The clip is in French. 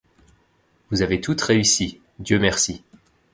Vous avez toutes réussi, Dieu merci.